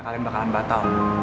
kalian bakalan batal